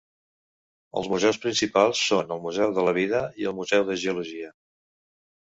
Els museus principals són el Museu de la Vida i el Museu de Geologia.